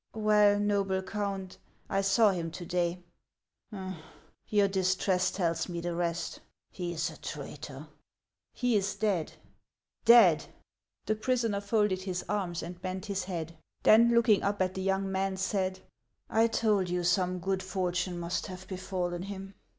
" Well, noble Count, I saw him to day —"'•' Your distress tells me the rest ; he is a traitor." " He is dead." " Dead !" The prisoner folded his arms and bent his head, then 52 HANS OF ICELAND. looking up at the young man, said :" I told you some good fortune must Lave befallen him